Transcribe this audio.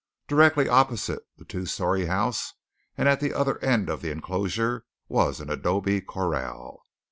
Directly opposite the two story house and at the other end of the enclosure was an adobe corral.